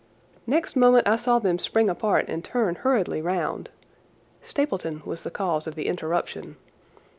Next moment I saw them spring apart and turn hurriedly round. Stapleton was the cause of the interruption.